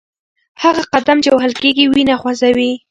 هغه قدم چې وهل کېږي وینه خوځوي.